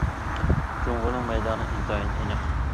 جۇڭگونىڭ مەيدانى ئىنتايىن ئېنىق.